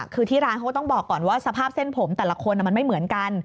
คือที่ร้านเขาก็ต้องบอกก่อนว่าสภาพเส้นผมแต่ละคนมันไม่เหมือนกัน